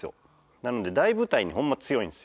なので大舞台にホンマ強いんですよ。